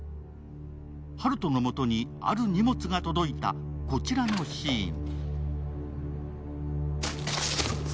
温人のもとにある荷物が届いた、こちらのシーン。